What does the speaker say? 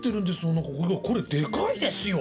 おなかこれでかいですよ。